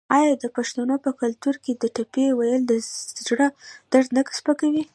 آیا د پښتنو په کلتور کې د ټپې ویل د زړه درد نه سپکوي؟